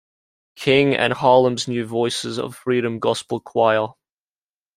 King, and Harlem's New Voices of Freedom gospel choir.